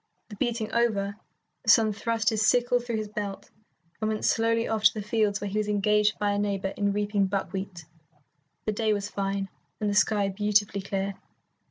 The beating over, the son thrust his sickle through his belt and went slowly off to the fields where he was engaged by a neighbour in reaping buckwheat. The day was fine, and the sky beautifully clear.